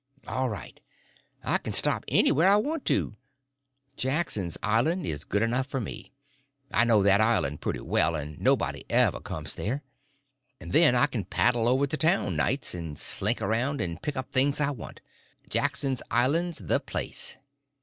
All right; I can stop anywhere I want to. Jackson's Island is good enough for me; I know that island pretty well, and nobody ever comes there. And then I can paddle over to town nights, and slink around and pick up things I want. Jackson's Island's the place.